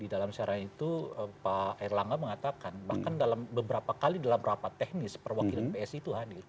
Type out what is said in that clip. di dalam siaran itu pak erlangga mengatakan bahkan dalam beberapa kali dalam rapat teknis perwakilan psi itu hadir